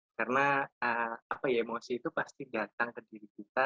karena apa ya emosi itu pasti datang ke diri kita